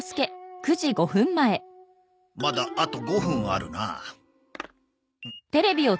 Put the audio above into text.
まだあと５分あるな。